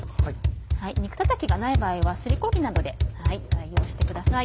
肉叩きがない場合はすりこ木などで代用してください。